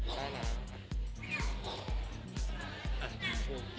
ก็รักฮึ้ม